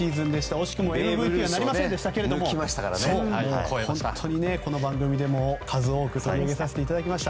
惜しくもＭＶＰなりませんでしたが本当にこの番組でも数多く取り上げさせていただきました。